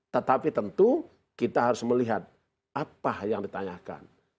tetapi tentu kita harus melihat apa yang ditanyakan